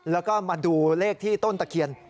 แล้วก็มาดูเลขที่ต้นตะเคียน